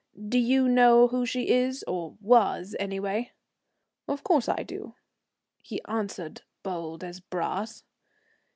Do you know who she is or was, anyway?" "Of course I do," he answered bold as brass.